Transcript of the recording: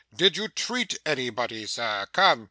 Did you treat anybody, sir? Come!